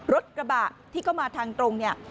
รถกระบะที่เข้ามาทางตรงเนี่ย